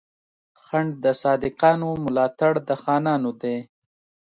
خنډ د صادقانو، ملا تړ د خاينانو دی